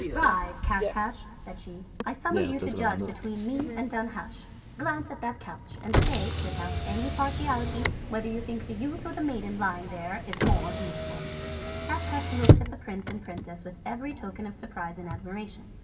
"Rise, Caschcasch," said she. "I summoned you to judge between me and Danhasch. Glance at that couch, and say without any partiality whether you think the youth or the maiden lying there the more beautiful." Caschcasch looked at the prince and princess with every token of surprise and admiration.